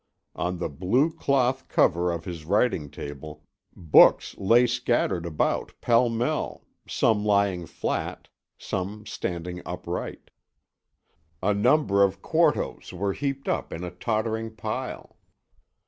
On the blue cloth cover of the writing table books lay scattered about pell mell, some lying flat, some standing upright. A number of quartos were heaped up in a tottering pile.